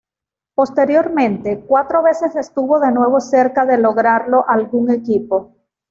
Posteriormente, cuatro veces estuvo de nuevo cerca de lograrlo algún equipo.